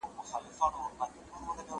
ايا زما پلار خپل حیثيت په ما لوړوي؟